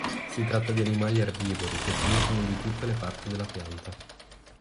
Si tratta di animali erbivori, che si nutrono di tutte le parti della pianta.